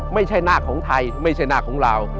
ไม่ใช่นาคของไทยไม่ใช่หน้าของเรา